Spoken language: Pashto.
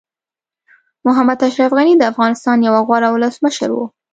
محمد اشرف غني د افغانستان یو غوره ولسمشر وو.